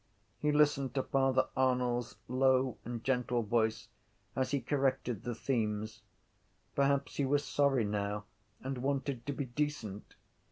He listened to Father Arnall’s low and gentle voice as he corrected the themes. Perhaps he was sorry now and wanted to be decent.